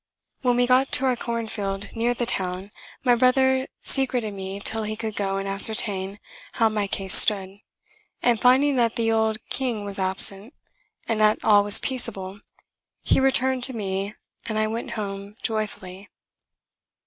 When we got to a cornfield near the town, my brother secreted me till he could go and ascertain how my case stood; and finding that the old King was absent, and that all was peaceable, he returned to me, and I went home joyfully.